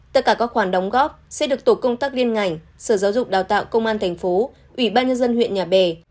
tất cả các khoản đóng góp sẽ được tổ công tác liên ngành sở giáo dục đào tạo công an thành phố ủy ban nhân dân huyện nhà bè